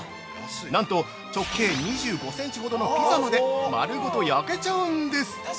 なんと直径２５センチほどのピザまで丸ごと焼けちゃうんです！